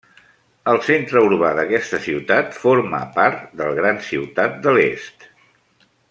El centre urbà d'aquesta ciutat forma part del Gran Ciutat de l'Est.